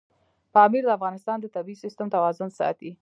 پامیر د افغانستان د طبعي سیسټم توازن ساتي.